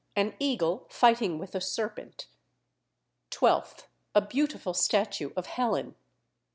An Eagle fighting with a Serpent. 12th. A beautiful statue of Helen.